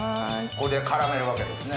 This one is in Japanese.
これで絡めるわけですね。